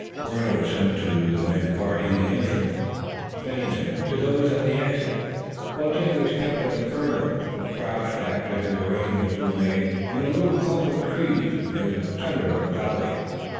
Warner was sent to the men guarding the entrance, Pennington to those at the exit, while Dick was kept with the colonel, who crouched, after his arrangements were made, in a little clump of trees near the center of the valley.